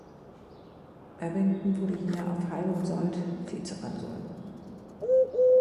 Babington wurde hier, auf halbem Sold, Vize-Konsul.